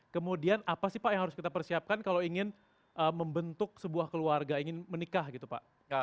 kemudian apa sih pak yang harus kita persiapkan kalau ingin membentuk sebuah keluarga ingin menikah gitu pak